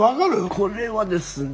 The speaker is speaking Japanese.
これはですね